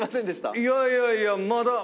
いやいやいやまだ。